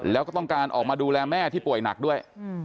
แล้วก็ต้องการออกมาดูแลแม่ที่ป่วยหนักด้วย